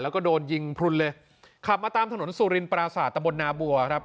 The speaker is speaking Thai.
แล้วก็โดนยิงพลุนเลยขับมาตามถนนสุรินปราศาสตะบนนาบัวครับ